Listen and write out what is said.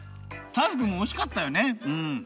ターズくんもおしかったよねうん。